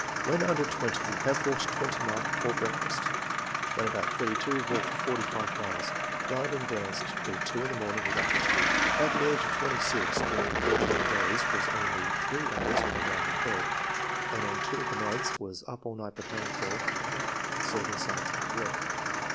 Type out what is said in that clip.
When under twenty, have walked twenty miles before breakfast; when about thirty two, walked forty five miles ; dined and danced till two in the morning without fatigue. At the age of twenty six, during fourteen days, was only three hours per night in bed, and on two of the nights was up all night preparing for ^.. [certain scientific work.